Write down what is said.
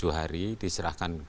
tujuh hari diserahkan kepada kpk